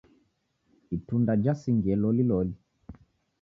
Itunda jasingie loliloli.